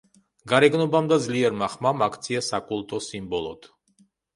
გარეგნობამ და ძლიერმა ხმამ აქცია საკულტო სიმბოლოდ.